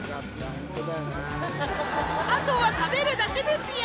あとは食べるだけですよ